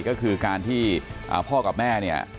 ก็คือการที่พ่อกับแม่เนี่ย